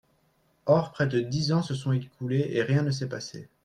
Or, près de dix ans se sont écoulés, et rien ne s’est passé.